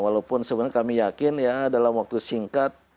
walaupun kami yakin dalam waktu singkat